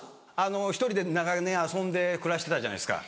１人で長年遊んで暮らしてたじゃないですか